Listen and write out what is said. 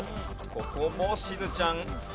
ここもしずちゃん。